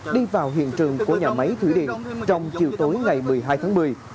đi vào hiện trường của nhà máy thủy điện trong chiều tối ngày một mươi hai tháng một mươi